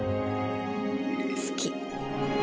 好き。